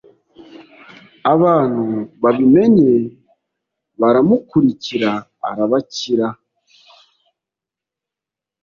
Abantu Babimenye Baramukurikira Arabakira